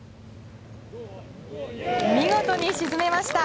見事に沈めました。